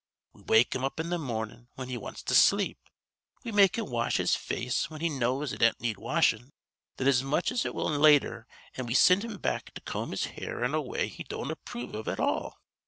We wake him up in th' mornin' whin he wants to sleep. We make him wash his face whin he knows it don't need washin' thin as much as it will later an' we sind him back to comb his hair in a way he don't approve iv at all.